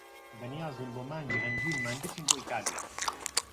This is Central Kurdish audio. بەنیازین بۆ مانگی هەنگوینیمان بچین بۆ ئیتالیا.